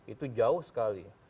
itu jauh sekali